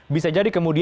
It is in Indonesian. bisa jadi kemudian